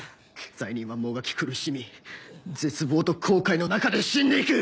罪人はもがき苦しみ絶望と後悔の中で死んで行く。